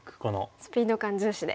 スピード感重視で。